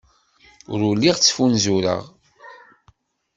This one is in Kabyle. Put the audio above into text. Ur lliɣ ttfunzureɣ.